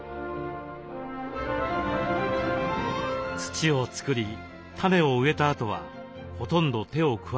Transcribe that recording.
土を作り種を植えたあとはほとんど手を加えないそうです。